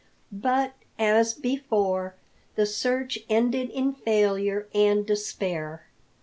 But, as before, the search ended in failure and despair.